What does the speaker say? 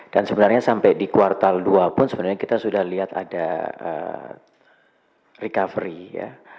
dan sebenarnya sampai di kuartal dua pun sebenarnya kita sudah lihat ada recovery